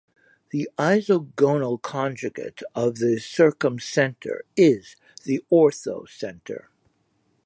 The isogonal conjugate of the circumcenter is the orthocenter.